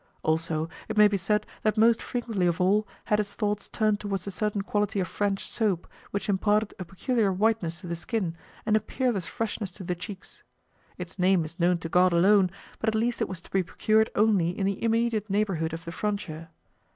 Also, it may be said that most frequently of all had his thoughts turned towards a certain quality of French soap which imparted a peculiar whiteness to the skin and a peerless freshness to the cheeks. Its name is known to God alone, but at least it was to be procured only in the immediate neighbourhood of the frontier.